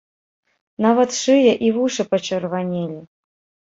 Нават шыя і вушы пачырванелі.